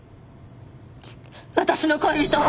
私の恋人を！